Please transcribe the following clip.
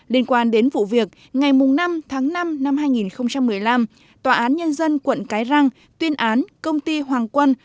liên quan đến vụ việc ngày năm tháng năm năm hai nghìn một mươi năm tòa án nhân dân quận cái răng tuyên án công ty hoàng quân